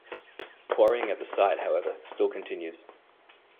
Quarrying at the site however still continues.